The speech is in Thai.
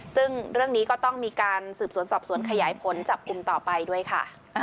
ซึ่งเรื่องนี้ก็ต้องมีการสืบสวนสอบสวนขยายผลจับกลุ่มต่อไปด้วยค่ะ